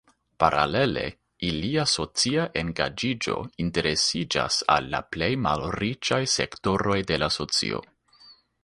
Paralele ilia socia engaĝiĝo interesiĝas al la plej malriĉaj sektoroj de la socio.